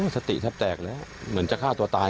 สติแทบแตกแล้วเหมือนจะฆ่าตัวตาย